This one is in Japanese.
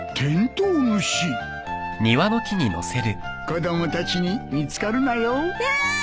子供たちに見つかるなよ。